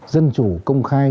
dân chủ công khai